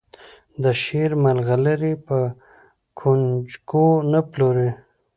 د شعر مرغلرې په کونجکو نه پلوري.